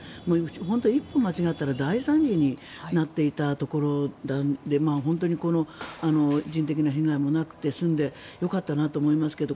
本当に一歩間違ったら大惨事になっていたところで本当に人的な被害もなくて済んでよかったなと思いますけど